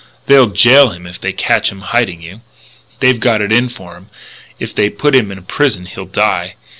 They'll jail him if they catch him hiding you. They've got it in for him. If they put him in prison he'll die.